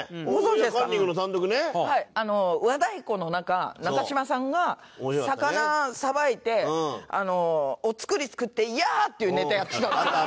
和太鼓の中中島さんが魚さばいてお造り作って「ヤァー！」って言うネタやってたんですよ。